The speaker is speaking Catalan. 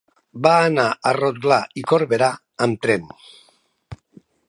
Va anar a Rotglà i Corberà amb tren.